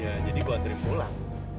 ya jadi gue antri pulang